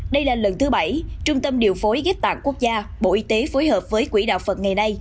đây là lần thứ bảy trung tâm điều phối ghép tạng quốc gia bộ y tế phối hợp với quỹ đạo phật ngày nay